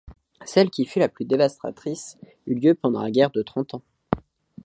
Celle qui fut la plus dévastatrice eut lieu pendant la guerre de Trente Ans.